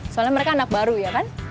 soalnya mereka anak baru ya kan